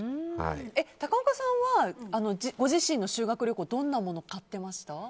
高岡さんはご自身の修学旅行どんなものを買っていましたか？